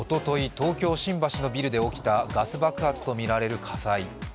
東京・新橋のビルで起きたガス爆発とみられる火災。